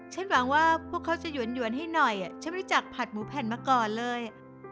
หวังว่าพวกเขาจะหยวนให้หน่อยฉันรู้จักผัดหมูแผ่นมาก่อนเลย